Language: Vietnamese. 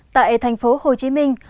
tại thành phố hồ chí minh